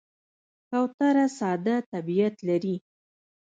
کوتره ساده طبیعت لري.